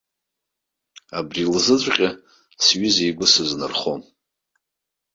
Абри лзыҵәҟьа сҩыза игәы сызнырхом.